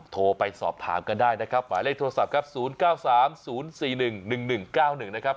โทรไปสอบถามกันได้นะครับหมายเลขโทรศัพท์ครับ๐๙๓๐๔๑๑๑๙๑นะครับ